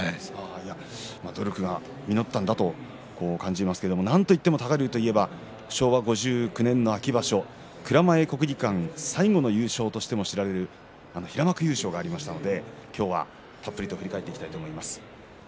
努力が実ったんだと感じますけれどなんといっても多賀竜といえば昭和５９年の秋場所蔵前国技館最後の優勝としても知られるあの平幕優勝がありましたので今日はたっぷりと振り返っていきます。